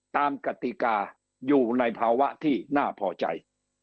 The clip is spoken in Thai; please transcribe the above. กติกาอยู่ในภาวะที่น่าพอใจ